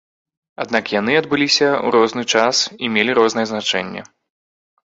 Аднак яны адбыліся ў розны час і мелі рознае значэнне.